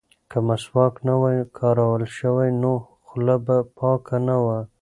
که مسواک نه وای کارول شوی نو خوله به پاکه نه وه.